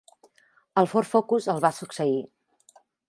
El Ford Focus el va succeir.